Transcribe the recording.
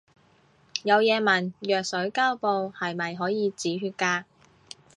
有嘢問，藥水膠布係咪可以止血㗎